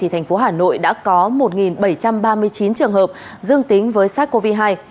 thành phố hà nội đã có một bảy trăm ba mươi chín trường hợp dương tính với sars cov hai